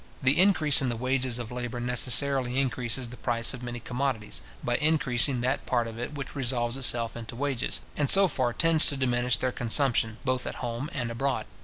The increase in the wages of labour necessarily increases the price of many commodities, by increasing that part of it which resolves itself into wages, and so far tends to diminish their consumption, both at home and abroad.